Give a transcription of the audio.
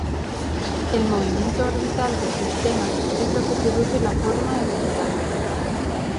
El movimiento orbital del sistema es lo que produce la forma espiral.